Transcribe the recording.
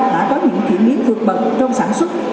đã có những kỷ niệm vượt bậc trong sản xuất